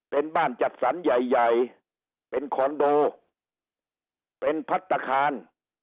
เป็นบ้านจัดสรรใหญ่ใหญ่เป็นคอนโดเป็นพัฒนาคาร